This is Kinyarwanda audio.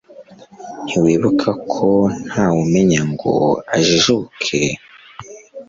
nta wibuka nta wumenya ngo ajijuke